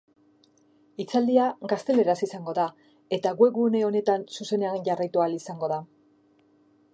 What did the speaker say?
Hitzaldia gazteleraz izango da eta webgune honetan zuzenean jarraitu ahal izango da.